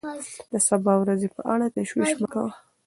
د سبا ورځې په اړه تشویش مه کوه.